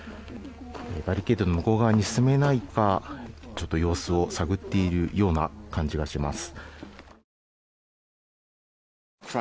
バリケードの向こう側に進めないか様子を探っているような感じがします。